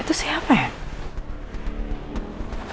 itu siapa ya